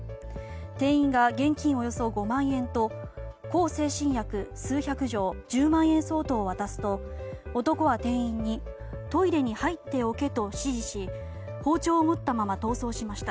店員が現金およそ５万円と向精神薬、数百錠１０万円相当を渡すと男は、店員にトイレに入っておけと指示し包丁を持ったまま逃走しました。